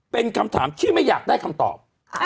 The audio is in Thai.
เป็นคำถามที่ไม่อยากได้คำตอบ